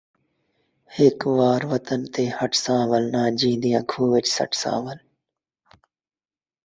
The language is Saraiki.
اَتے میݙیاں آیاتاں کوں معمولی جیہے مُل نہ ویچو،